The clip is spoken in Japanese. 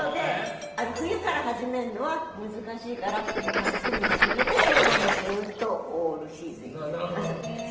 冬から始めるのは難しいから夏に始めてそのまま、ずっとオールシーズン。